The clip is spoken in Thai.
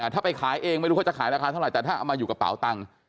ถ้าไปขายเองไม่รู้เขาจะขายราคาเท่าไหร่แต่ถ้าเอามาอยู่กระเป๋าตังค์